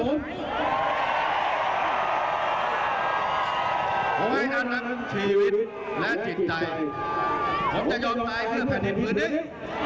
ขอให้ท่านทั้งชีวิตและจิตใจผมจะยนต์ไปเพื่อแผ่นนิดพื้นนี้